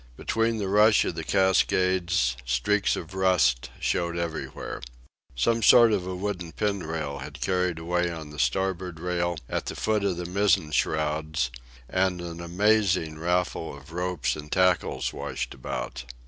Between the rush of the cascades, streaks of rust showed everywhere. Some sort of a wooden pin rail had carried away on the starboard rail at the foot of the mizzen shrouds, and an amazing raffle of ropes and tackles washed about.